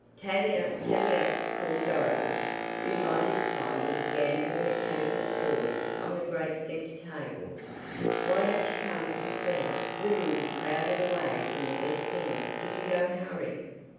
"Tavia! Tavia!" called Dorothy, who by this time was scanning the mechanical toys on the great center tables. "Why don't you come and see? We will be crowded away from the best things if you don't hurry."